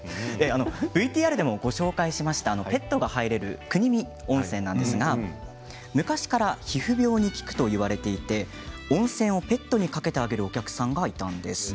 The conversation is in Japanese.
ＶＴＲでもご紹介しました、ペットが入れる国見温泉ですが昔から皮膚病に効くと言われていて温泉をペットにかけてあげるお客さんがいたんです。